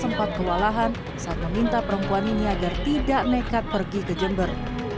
sempat kewalahan saat meminta perempuan ini agar tidak nekat pergi ke jember